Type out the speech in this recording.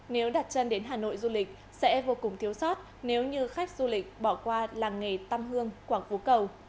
nếu đặt chân đến hà nội du lịch sẽ vô cùng thiếu sót nếu như khách du lịch bỏ qua làng nghề tâm hương quảng phú cầu